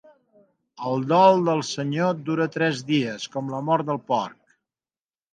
El dol del senyor dura tres dies, com la mort del porc.